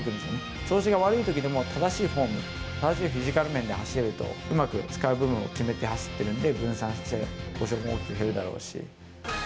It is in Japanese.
調子が悪いときでも正しいフォーム、正しいフィジカル面で走れると、うまく使う部分を決めて走ってるんで、分散して、故障も大きく減るだろうし。